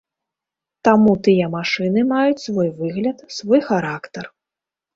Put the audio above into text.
Таму тыя машыны маюць свой выгляд, свой характар.